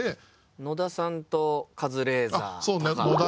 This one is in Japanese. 野田さんとカズレーザーとか。